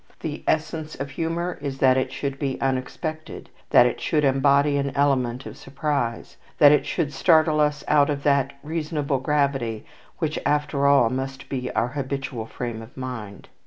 The essence of humour is that it should be unexpected, that it should embody an element of surprise, that it should startle us out of that reasonable gravity which, after all, must be our habitual frame of mind.